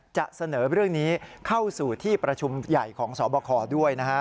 จะเสนอเรื่องนี้เข้าสู่ที่ประชุมใหญ่ของสบคด้วยนะฮะ